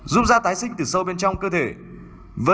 giúp da tái sinh từ sâu bên trong cơ thể